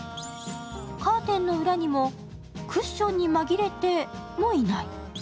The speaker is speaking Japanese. カーテンの裏にもクッションの裏にも紛れてもいない。